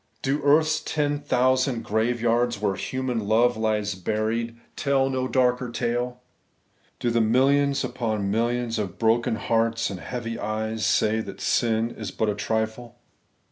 Do earth's ten thousand graveyards, where human love lies buried, tell no darker tale ? Do the millions upon millions of broken hearts and heavy eyes say that sin is but a trifle